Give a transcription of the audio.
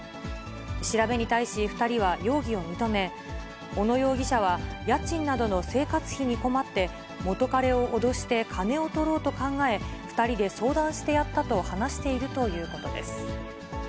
調べに対し、２人は容疑を認め、小野容疑者は、家賃などの生活費に困って、元彼を脅して金をとろうと考え、２人で相談してやったと話しているということです。